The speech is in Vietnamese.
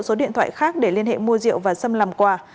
số điện thoại khác để liên hệ mua rượu và xâm làm quà